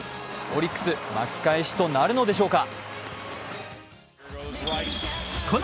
オリックス、巻き返しとなるのでしょうか。